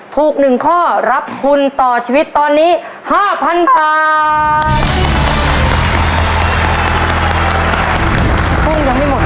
ถูก๑ข้อรับทุนต่อชีวิตตอนนี้๕๐๐๐บาท